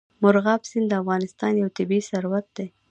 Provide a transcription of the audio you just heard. مورغاب سیند د افغانستان یو طبعي ثروت دی.